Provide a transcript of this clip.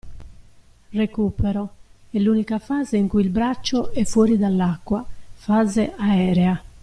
Recupero: è l'unica fase in cui il braccio è fuori dall'acqua (fase "aerea").